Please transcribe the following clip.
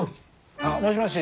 あのもしもし